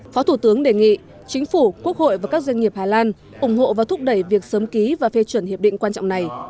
phó thủ tướng đề nghị chính phủ quốc hội và các doanh nghiệp hà lan ủng hộ và thúc đẩy việc sớm ký và phê chuẩn hiệp định quan trọng này